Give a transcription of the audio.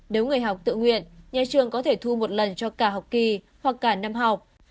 nếu người học tự nguyện nhà trường có thể thu một lần cho cả học kỳ hoặc cả năm học